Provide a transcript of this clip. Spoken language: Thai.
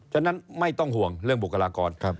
จากนั้นไม่ต้องห่วงเรื่องบุคลากร